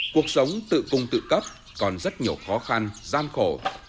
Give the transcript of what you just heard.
cuộc sống tự cung tự cấp còn rất nhiều khó khăn gian khổ